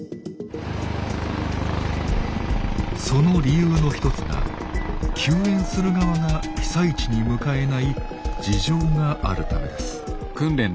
その理由の一つが救援する側が被災地に向かえない事情があるためです。